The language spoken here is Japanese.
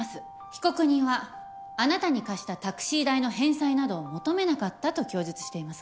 被告人はあなたに貸したタクシー代の返済などを求めなかったと供述していますが本当ですか？